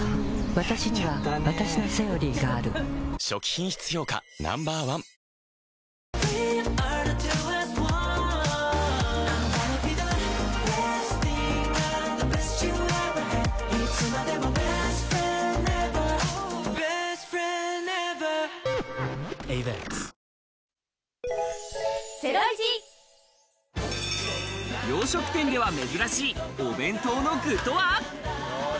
わたしにはわたしの「セオリー」がある初期品質評価Ｎｏ．１洋食店では珍しい、お弁当の具とは？